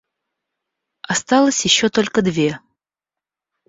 Осталось ещё только две.